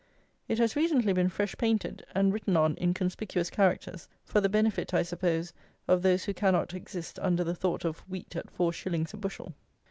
It has recently been fresh painted, and written on in conspicuous characters, for the benefit, I suppose, of those who cannot exist under the thought of wheat at four shillings a bushel.